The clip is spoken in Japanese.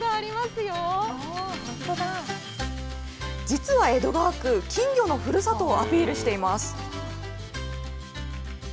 実は江戸川区、金魚のふるさとをアピールしています。